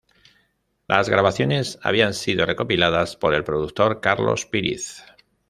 Las grabaciones habían sido recopiladas por el productor Carlos Píriz.